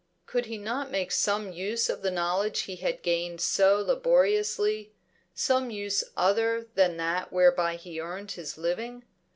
Could he not make some use of the knowledge he had gained so laboriously some use other than that whereby he earned his living?